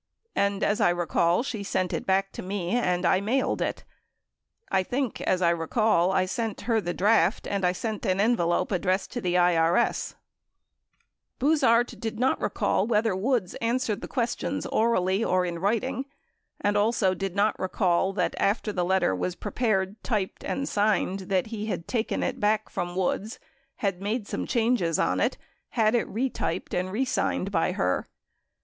And as I recall, she sent it back to me and I mailed it. I think as I recall I sent her the draft and I sent an envelope addressed to the IRS. 88 Buzhardt did not recall whether Woods answered the questions orally or in writing and, also, did not recall that after the letter was pre pared, typed and signed, that he had taken it back from Woods, had made some changes on it, had it retyped and re signed by her.